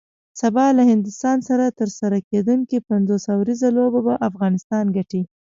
سبا له هندوستان سره ترسره کیدونکی پنځوس اوریزه لوبه به افغانستان ګټي